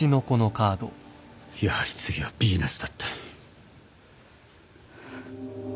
やはり次はビーナスだった。